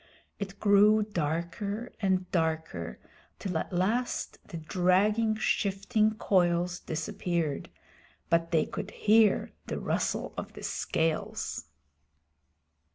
It grew darker and darker, till at last the dragging, shifting coils disappeared, but they could hear the rustle of the scales.